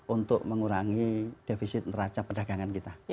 untuk mengurangi defisit neraca perdagangan kita